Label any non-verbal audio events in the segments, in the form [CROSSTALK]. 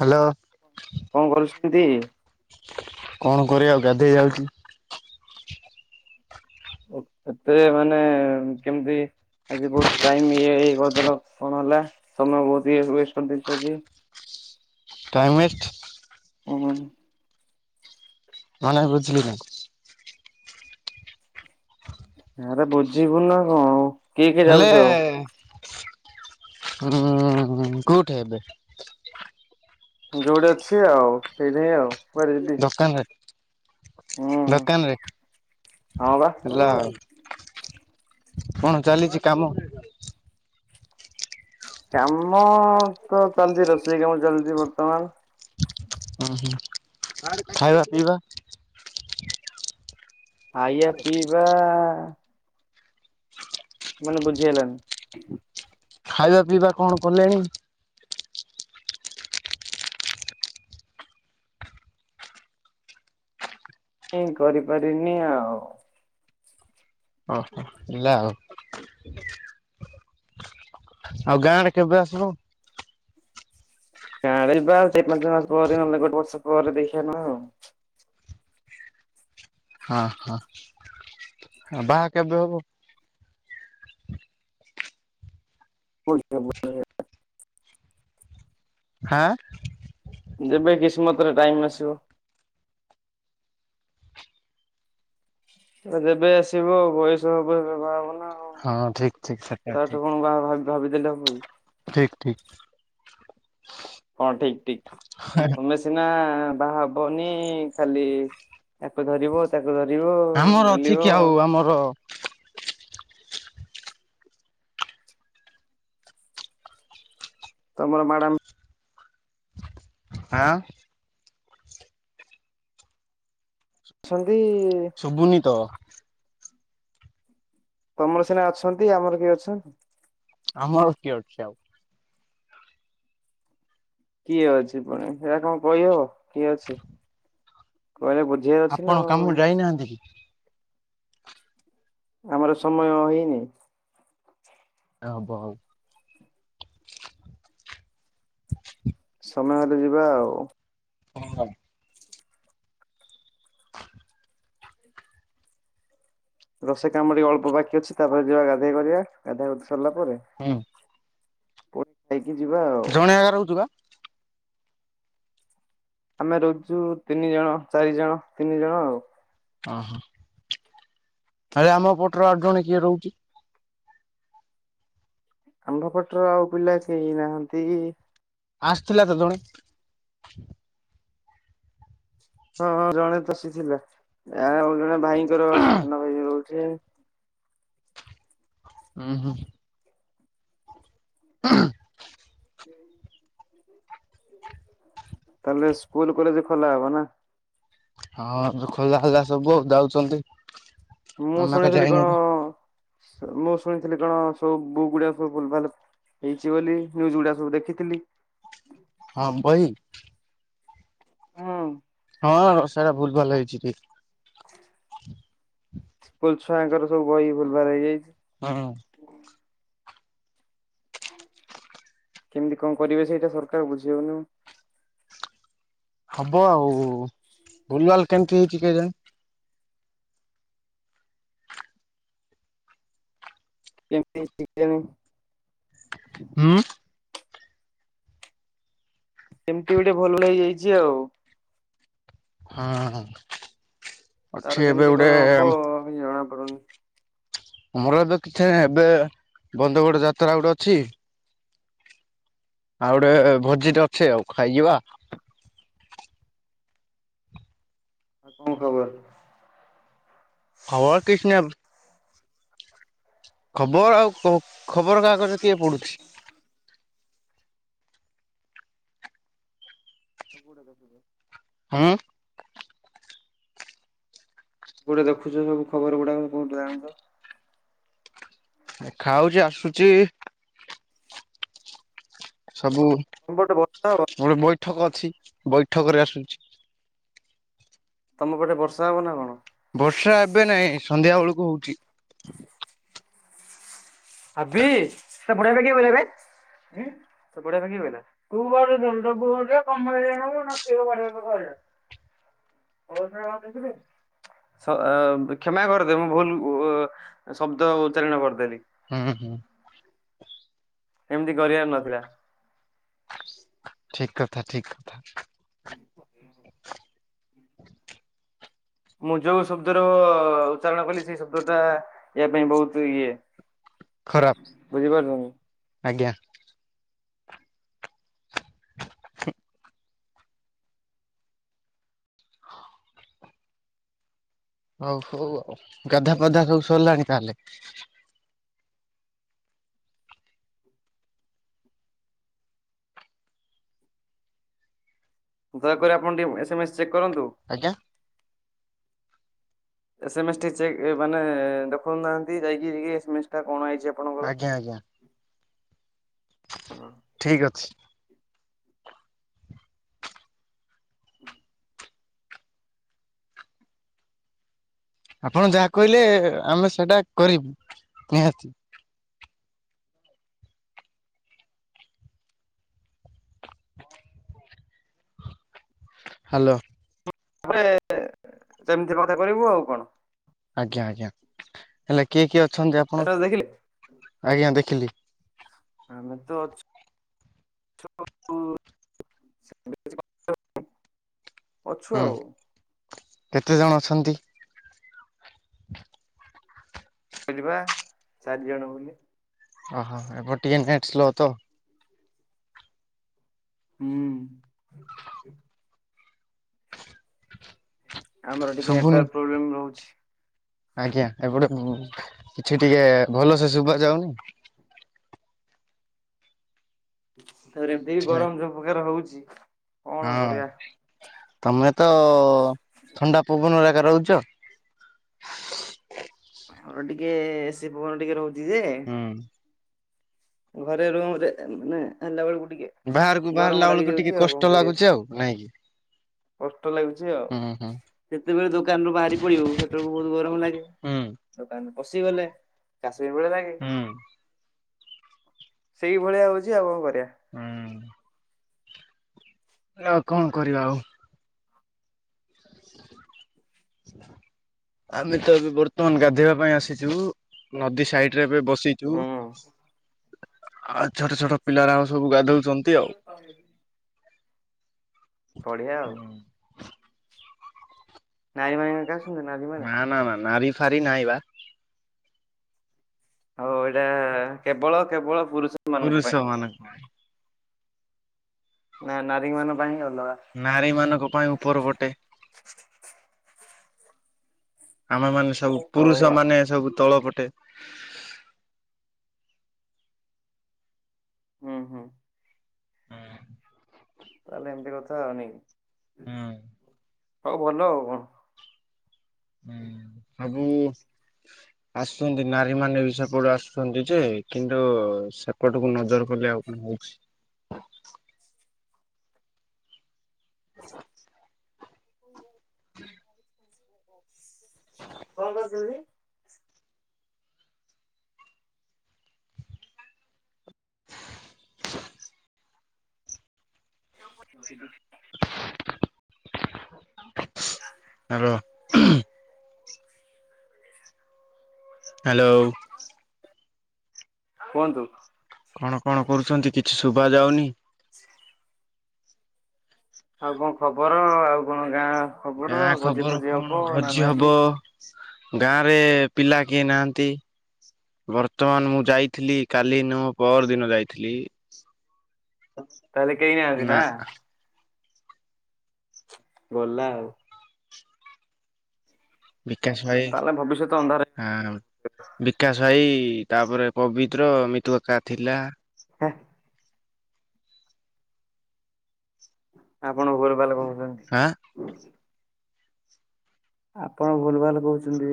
Hello. କଣ କରୁଛନ୍ତି? କଣ କରିବା ଆଉ ଗାଧେଇ ଯାଉଛି। ଓ କେତେ ମାନେ କେମିତି ଆଜି ବହୁତ ଟାଇମ ଇଏ ହେଇ କରିଦେଲ। କଣ ହେଲା ତମେ ବହୁତ ୱେଷ୍ଟ କରିଦେଛ ଆଜି। Time waste. କଣ [UNINTELLIGIBLE] ମାନେ ବୁଝିଲି ନା। ଆରେ ବୁଝିବୁ ନା କଣ? କିଏ କିଏ ହେଲେ ଯାଉଛ ଆଉ? ଉ କୋଉଠି ଏବେ? ଯୋଉଠି ଅଛି ଆଉ ସେଈଠେ ଆଉ। କୁଆଡେ ଯିବି ହୁଁ ଦୋକାନରେ ଦୋକାନରେ ହଁ ବା। ହେଲା ଆଉ। କଣ ଚାଲିଛି କାମ? କାମ ତ ଚାଲିଛି ରୋଷେଇ କାମ ଚାଲିଛି ବର୍ତ୍ତମାନ। ହୁଁ ହୁଁ ଖାଇବା ପିଇବା? ଖାଇବା ପିଇବା ମାନେ ବୁଝି ହେଲାନି। ଖାଇବା ପିଇବା କଣ କଲେଣି? ଏ କରିପାରିନି ଆଉ। ଓହ ହେଲା ଆଉ। ଆଉ ଗାଁ ଆଡେ କେବେ ଆସିବ? ଗାଁଆଡେ ଯିବା ଚାରି ପାଞ୍ଚ ମାସ ପରେ ନହେଲେ ଗୋଟେ ବର୍ଷ ପରେ ଦେଖିବା ନହେଲେ ଆଉ। ହଁ ହଁ ବାହା କେବେ ହବ? [INAUDIBLE] ହାଁ ଯେବେ କିସ୍ମତରେ ଟାଇମ ଆସିବ। ଯେବେ ଆସିବ ଆଉ ବୟସ ହବ ତେବେ ବାହା ହେବାନା ଆଉ। ହଁ ଠିକ ଠିକ ସେଟା ତ ତାଠୁ ଠିକ କଣ ବା ଭାବି ଭାବିଦେଲେ ହବକି। ଠିକ ଠିକ। କଣ ଠିକ ଠିକ ତୁମେ ସିନା ବାହା ହବନି ଖାଲି କୁ ଧରିବ ତାକୁ ଧରିବ ଆମର ଅଛି କି ବୁଲିବ। ଆଉ ଆମର ତମର ମ୍ୟାଡ଼ାମ ଆଁ। ଅଛନ୍ତି ସୁଭୁନି ତ। ତମର ସିନା ଅଛନ୍ତି ଆମର କିଏ ଅଛନ୍ତି। ଆମର କିଏ ଅଛି ଆଉ। କିଏ ଅଛି ପୁଣି ଏଇଟା କଣ କହିହେବ କିଏ ଅଛି। କହିଲେ ବୁଝିବାର ଅଛି ନା ଆଉ। ଇନାହାନ୍ତି କି? ଆମର ସମୟ ହେଇନି। ହବ ହବ। ସମୟ ହେଲେ ଯିବା ଆଉ। କଣ ହେଲା? ରୋଷେଇ କାମ ଟିକେ ଅଳ୍ପ ବାକି ଅଛି ତାପରେ ଯିବା ଗାଧେଇ କରିବା ଗାଧା ଗୁଧି ସରିଲା ପରେ ହଁ। ପୋର୍ଟ ଯାଇକି ଯିବା ଆଉ। କାହା ଘରେ ରହୁଛୁ ବା? ଆମେ ରହୁଛୁ ତିନି ଜଣ ଚାରି ଜଣ ତିନି ଜଣ ଆଉ। ଓହୋ ଆରେ ଆମ ପଟର ଆଉ ଜଣେ କିଏ ରହୁଛି? ଆମ୍ଭ ପଟର ଆଉ ପିଲା କେହି ନାହାନ୍ତି। ଆସିଥିଲା ତ ଜଣେ ହଁ ହଁ ଜଣେ ତ ଆସି ଥିଲା ଆଉ ଜଣେ ଭାଇଙ୍କର ସାନ ଭାଇ ରହୁଛି। ହୁଁ ହୁଁ। ହ [INAUDIBLE] ତାହେଲେ ସ୍କୁଲ କଲେଜ ଖୋଲା ହବ ନା। ହଁ ଖୋଲା ହେଲା ସବୁ ଯାଉଛନ୍ତି। ମୁଁ ଆମେ ଏକା ଶୁଣିଥିଲି ଯାଇନୁ କଣ ତ ମୁଁ ଶୁଣିଥିଲି କଣ ସବୁ ବୁକ୍ ଗୁଡ଼ା ସବୁ ଭୁଲ୍‌ ଭାଲ୍‌। ହେଇଛି ବୋଲି ନ୍ୟୁଜ ଗୁଡା ସବୁ ଦେଖିଥିଲି। ହଁ ବହି ହଁ। ହଁ ସେଇଟା ଭୁଲ୍‌ ଭାଲ୍‌ ହେଇଛି ଟିକେ। ଖ [INAUDIBLE] ସ୍କୁଲ ଛୁଆଙ୍କର ସବୁ ବହି ଭୁଲ୍‌ ଭାଲ୍‌ ହେଇଯାଇଛି। ହଁ। କେମିତି କଣ କରିବେ ସେଇଟା ସରକାର ବୁଝି ହଉନି। ହବ ଆଉ ଭୁଲ୍ ଭାଲ୍ କେମିତି ହେଇଛି କେଜାଣି? କେମତି ଶଜେନ [INAUDIBLE] ହୁଁ। କେମିତି ଗୋଟେ ଭୁଲ୍ ଭାଲ୍‌ ହେଇଯାଇଛି ଆଉ। ହଁ। ଅଛି ତାର ଏବେ କେମିତି ଗୋଟେ କଣ ହବ ଜଣାପଡ଼ୁନି। ଆମର ଏବେ କିଛି ଏବେ [INAUDIBLE] ବନ୍ନ୍ଦଗୋଡ ଯାତ୍ରା ଗୋଟେ ଅଛି ଆଉ ଗୋଟେ ଭୋଜି ଟେ ଅଛେ ଆଉ ଖାଇଯିବା ଆଉ କଣ ଖବର? ଖବର କିଛିନାଇ ଖବର ଆଉ ଖବର କାଗଜ କିଏ ପଡୁଛି? ଆଗୁଡ ଦେକୁଛ [UNINTELLIGIBLE] ହଁ। ଗୋଟେ ଦେଖୁଛ ସବୁବର ଗୁଡାକ କଉଠ ଜାଣିଛ [UNINTELLIGIBLE] ଦେଖା ହଉଛି ଆସୁଛି ସବୁ ତମ ପଟେ ବର୍ଷା ହ ଗୋଟେ ବୈଠକ ଅଛି ବୈଠକ ରେ ଆସୁଛି। ତମ ପଟେ ବର୍ଷା ହବ ନା କଣ? ବର୍ଷା ଏବେ ନାଇଁ ସନ୍ଧ୍ୟା ବେଳକୁ ହଉଛି। [INAUDIBLE] ହାବି ସେ ବଢେଇ ପା ବବେ ବଢେଇଆ ପା ବିଲ [INAUDIBLE] ତୁ ବାବୁ କମେଇଣୁ ନା ପିଅ [INAUDIBLE] ହଉ ଶଣଖିବେ [INAUDIBLE] କ୍ଷମା କରିଦେବ ମୁଁ ଭୁଲ ଶବ୍ଦ ଉଚ୍ଚାରିଣ କରିଦେଲି। ହୁଁ ହୁଁ। ଏମିତି କରିବାର ନଥିଲା। ଠିକ୍ କଥା ଠିକ୍ କଥା। ହ [INAUDIBLE] ମୁଁ ଯୋଉ ଶବ୍ଦର ଉଚ୍ଚାରଣ କଲି ସେଇ ଶବ୍ଦ ଟା ୟା ପାଇଁ ବୋହୁତ ଇଏ। ଖରାପ ବୁଝିପାରୁଛନ୍ତି। ଆଜ୍ଞା। ହଉ ହଉ ଆଉ ଗାଧା ପଧା ସବୁ ସରିଲାଣି ତାହେଲେ। ଦୟାକରି ଆପଣ ଟିକେ ଏସ୍ ମେସ୍ ଚେକ୍ କରନ୍ତୁ। ଆଜ୍ଞା। ଏସେ ମେସ୍ ଟି ଚେକ୍ ମାନେ ଦେଖଉନାହାନ୍ତି ଯାଇକି ଟିକେ ଏସ୍ ମେସ୍ ଟା କଣ ଆଇଚି ଆପଣଙ୍କୁ। ଆଜ୍ଞା ଆଜ୍ଞା। ହଁ ଠିକ ଅଛି। ହ ଆପଣ ଯାହା କହିଲେ ଆମେ ସେଟା କରିବୁ ନିହାତି। ହ୍ୟାଲୋ। ଆ ପରେ ସେମିତି ଗୋଟେ କରିବୁ ଆଉ କଣ? ଆଜ୍ଞା ଆଜ୍ଞା ହେଲେ କିଏ କିଏ ଅଛନ୍ତି ଆ ଏଟା କୁ ଦେଖିଲେ। ଆଜ୍ଞା ଦେଖିଲି। ଆମେ ତ ଅଛୁ [UNINTELLIGIBLE] ଅଛୁ ହୁଁ ଆଉ। କେତେ ଜଣ ଅଛନ୍ତି। କଲିବା ଚାରି ଜଣ ବୋଲି। ଓହୋ ଏପଟେ ଟିକେ ନେଟ୍ ସ୍ଲୋ ତ। ହୁଁ। ଆମର ଟିକେ ନେଟ୍ ଶୁଭୁନି ୱାର୍କ ପ୍ରୋବ୍ଲେମ୍ ରହୁଛି। ଆଜ୍ଞା ଏପଟେ କିଛି ଟିକେ ଭଲ ସେ ଶୁଭା ଯାଉନି। ତା ପରେ ଏମିତି ବି ସେଥିପାଇଁ ଗରମ ଯୋଉ ପ୍ରକାରେ ହୋଉଚି। ହଁ ତମେ ତ ଥଣ୍ଡା ପବନ ଜାଗା ରେ ରହୁଚ। ଘରେ ଟିକେ ଏସି ପବନ ଟିକେ ରହୁଚି ଯେ ହୁଁ। ଘରେ ରୁମ୍ ରେ ମାନେ ହେଲା ବେଳ କୁ ଟିିକେ ବାହାରକୁ ବାହାରିଲା ବେଳକୁ ଟିକେ କଷ୍ଟ୍ ଲାଗୁଚି ଆଉ ନାଇଁ କିି। କଷ୍ଟ୍ ଲାଗୁଛି ଆଉ ଯେତେବେଳେ ଦୋକାନ୍ ରୁୁ ବାହାରି ପଡିବୁ ସେତେବେଳକୁ ବୋହୁତ ଗରମ ଲାଗେ। ହୁଁ ଦୋକାନ୍ ପଶି ଗଲେ କାଶ୍ମୀରି ଭଳିଆ ଲାଗେ। ହୁଁ ସେଇ ଭଳିଆ ହଉଚି ଆଉ କଣ କରିବା। ହୁଁ। ଲେ ଆଉ କଣ କରିବା ଆଉ। ଆମେ ତ ଏବେ ବର୍ତ୍ତମାନ୍ ଗାଧେଇବା ପାଇଁ ଆସିଚୁ ନଦୀ ସାଇଡ୍ ରେ ଏବେ ବସି ଚୁ ହୁଁ ଆଉ ଛୋଟ ଛୋଟ ପିଲା ଏରାଗ ସବୁ ଗାଧଉଚନ୍ତି ଆଉ। [UNINTELLIGIBLE] ପଢ଼ିଆ ଆଉ। ନାରୀ ମାନେଙ୍କା। ନାଁ ନାଁ ନା ନାରୀ ଫାରୀ ନାହିଁ ବା। ଆଉ ଏଇଟା କେବଳ କେବଳ ପୁରୁଷ ମାନଙ୍କ ପାଇଁ ପୁରୁଷ ମାନଙ୍କ ପାଇଁ। ନାଁ ନାରୀ ମାନଙ୍କ ପାଇଁ ଅଲଗା। ନାରୀ ମାନଙ୍କ ପାଇଁ ଉପର ଗୋଟେ। ଆମେ ମାନେ ସବୁ ହଉ ପୁରୁଷ ଆ ମାନେ ସବୁ ତଳ ପଟେ। ହୁଁ ହୁଁ। ହୁଁ। ତା ହେଲେ ଏମିତି କଥା ଆଉ ନାଇଁ ହଉ ଭଲ ଆଉ କଣ। ହୁଁ ସବୁ ଆସୁଚନ୍ତି ନାରୀ ମାନେ ବି ସେପଟୁ ଆସୁଚନ୍ତି ଯେ କିନ୍ତୁ ସେ ଏପଟକୁ ନଜର କଲେ ଆଉ କଣ ହଉଛି। [UNINTELLIGIBLE] ହୋଇ [UNINTELLIGIBLE] କଣ କରୁଚନ୍ତି? କମଟି ବଳେଇଗଲେ। [UNINTELLIGIBLE] ହାଲୋ। ହାଲୋ। କୁହନ୍ତୁ। କଣ କଣ କରୁଛନ୍ତି କିଛି ଶୁଭା ଯାଉନି। ଆଉ କଣ ଖବର ଆଉ କଣ ଗାଁ। ଖବର ଗାଁ ଭୋଜି ଖବର ଫୋଜି ହବ କଣ ନା ଭୋଜି ନାହିଁ ହବ। ଗାଁ ରେ ପିଲା କିଏ ନାହାନ୍ତି। ବର୍ତ୍ତମାନ ମୁଁ ଯାଇଥିଲି କାଲି ନୁହଁ ପଅର ଦିନ ଯାଇଥିଲି। ତା ହେଲେ କେହି ନାହାନ୍ତି ନା। ଗଲା ଆଉ। ବିକାଶ ଭାଇ। ତାହେଲେ ଭବିଷ୍ୟତ ଅନ୍ଧାର ହଁ ବିକାଶ ଭାଇ ତାପରେ ପବିତ୍ର ମିିତୁ କା ଥିଲା। ହେ। ଆପଣ ଭୋଲ ବାଲ [UNINTELLIGIBLE] ଆଁ। ଆପଣ ଭୁଲ ଭାଲ କହୁଚନ୍ତି।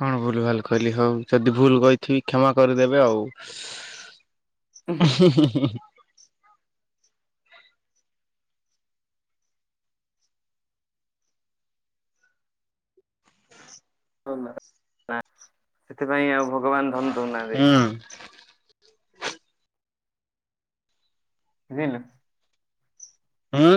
କଣ ଭୁଲ ଭାଲ କହିଲି ହଉ ଯଦି ଭୁଲ କହିଥିବି କ୍ଷମା କରିଦେବେ ଆଉ। [INAUDIBLE] ହୁଁ ହୁଁ ହୁଁ। [INAUDIBLE] ନା ସେଥିପାଇଁ ଆଉ ଭଗବାନ ଧନ ଦଉନାହାନ୍ତି। ହୁଁ ବୁଝିଲୁ। ହୁଁ।